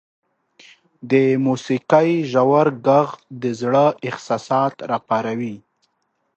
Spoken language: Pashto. • د موسیقۍ ژور ږغ د زړه احساسات راپاروي.